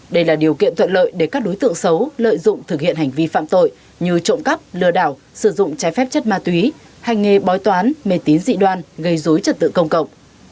đây là điều kiện thuận lợi để các đối tượng xấu lợi dụng thực hiện hành vi phạm tội như trộm cắp lừa đảo sử dụng trái phép chất ma túy hành nghề bói toán mê tín dị đoan gây dối trật tự công cộng